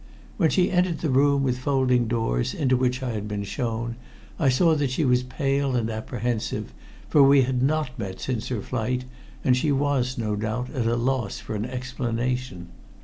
When she entered the room with folding doors into which I had been shown, I saw that she was pale and apprehensive, for we had not met since her flight, and she was, no doubt, at a loss for an explanation.